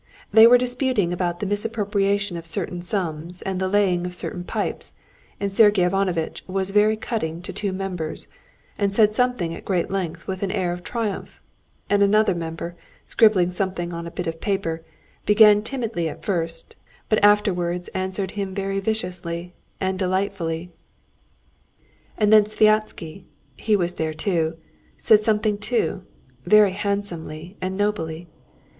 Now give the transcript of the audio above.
They were disputing about the misappropriation of certain sums and the laying of certain pipes, and Sergey Ivanovitch was very cutting to two members, and said something at great length with an air of triumph; and another member, scribbling something on a bit of paper, began timidly at first, but afterwards answered him very viciously and delightfully. And then Sviazhsky (he was there too) said something too, very handsomely and nobly.